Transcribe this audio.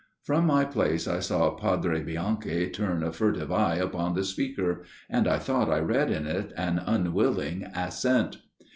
From my place I saw Padre Bianchi turn a furtive eye upon the speaker, and I thought I read in it an unwilling assent.